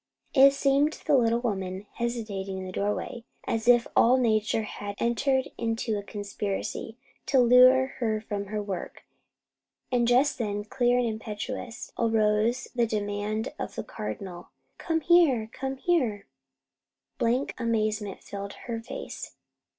It seemed to the little woman, hesitating in the doorway, as if all nature had entered into a conspiracy to lure her from her work, and just then, clear and imperious, arose the demand of the Cardinal: "Come here! Come here!" Blank amazement filled her face.